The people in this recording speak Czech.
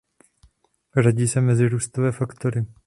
Řadí se mezi růstové faktory.